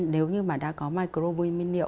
nếu như mà đã có microbumin niệu